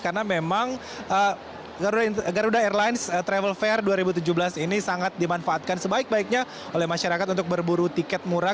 karena memang garuda airlines travel fair dua ribu tujuh belas ini sangat dimanfaatkan sebaik baiknya oleh masyarakat untuk berburu tiket murah